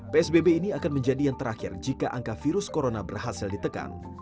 psbb ini akan menjadi yang terakhir jika angka virus corona berhasil ditekan